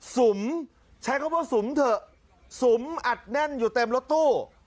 สุมใช้คำว่าสุมเถอะสุมอัดแน่นอยู่เต็มรถตู้